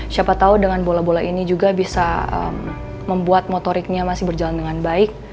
siapa tahu dengan bola bola ini juga bisa membuat motoriknya masih berjalan dengan baik